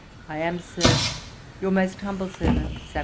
I am, Sir, 'Your most humble servant, 'SAM.